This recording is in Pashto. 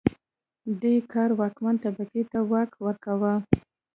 دې کار واکمنې طبقې ته واک ورکاوه